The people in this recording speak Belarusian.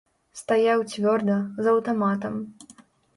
Стаяў цвёрда, з аўтаматам.